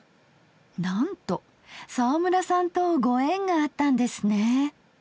なんと沢村さんとご縁があったんですねえ。